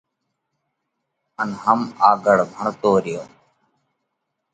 ان هم آڳۯ ڀڻتو ريو۔